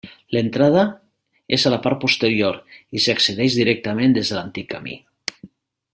L'entrada és a la part posterior i s'hi accedeix directament des de l'antic camí.